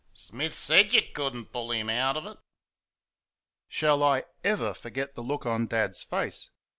Smith SAID you could n't pull him out of it." Shall I ever forget the look on Dad's face!